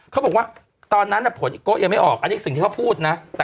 เขาบอกว่าตอนนั้นผลอีกโก๊ยังไม่ออกอันนี้สิ่งที่เขาพูดนะ